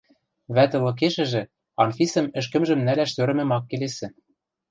Вӓтӹлыкешӹжӹ Анфисӹм ӹшкӹмжӹм нӓлӓш сӧрӹмӹм ак келесӹ.